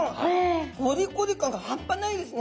コリコリ感がはんぱないですね。